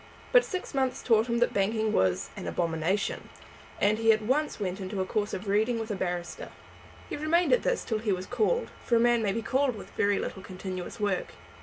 But six months taught him that banking was "an abomination," and he at once went into a course of reading with a barrister. He remained at this till he was called, for a man may be called with very little continuous work.